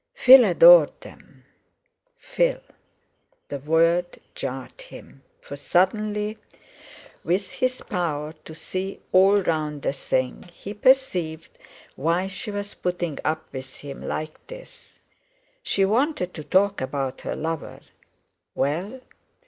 "Phil adored them." Phil! The word jarred him, for suddenly—with his power to see all round a thing, he perceived why she was putting up with him like this. She wanted to talk about her lover! Well!